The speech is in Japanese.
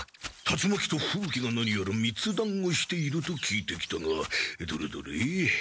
達魔鬼と風鬼が何やらみつ談をしていると聞いてきたがどれどれ。